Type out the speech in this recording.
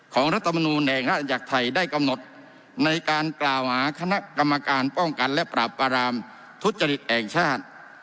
รัฐมนูลแห่งราชอาณจักรไทยได้กำหนดในการกล่าวหาคณะกรรมการป้องกันและปราบปรามทุจริตแห่งชาติ